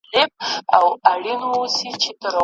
اوښکه یم په لاره کي وچېږم ته به نه ژاړې